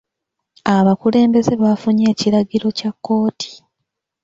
Abakulembeze baafunye ekiragiro kya kkooti.